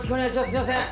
すみません。